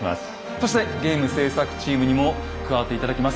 そしてゲーム制作チームにも加わって頂きます。